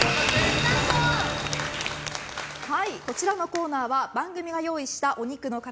こちらのコーナーは番組が用意したお肉の塊